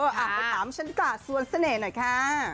ถามฉันก่อนสวนเสน่ห์หน่อยค่ะ